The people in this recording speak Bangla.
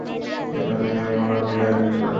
এখানেই আমরা বিদায় জানাচ্ছি।